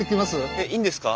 えっいいんですか？